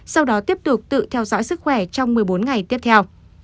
sau đó tiếp tục tự theo dõi sức khỏe trong một mươi bốn ngày tiếp theo